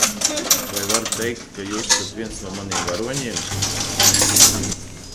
Vai varu teikt, ka jūs esat viens no maniem varoņiem?